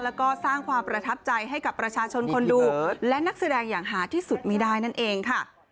แล้วก็สร้างความประทับใจให้กับประชาชนคนดูและนักแสดงอย่างหาที่สุดไม่ได้นั่นเองค่ะ